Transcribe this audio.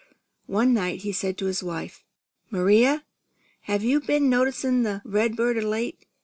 One night he said to his wife: "Maria, have you been noticin' the redbird of late?